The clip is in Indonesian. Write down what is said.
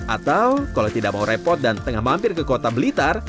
atau kalau tidak mau repot dan tengah mampir ke kota blitar